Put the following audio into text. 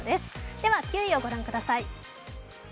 では９位をご覧ください。